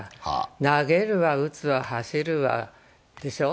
投げるわ、打つわ、走るわでしょう。